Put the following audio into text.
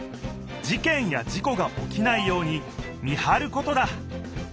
事件や事故がおきないように見はることだ。